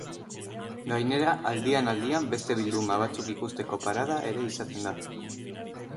Gainera, aldian-aldian beste bilduma batzuk ikusteko parada ere izaten da.